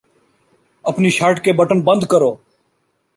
اپنی شرٹ کے بٹن بند کرو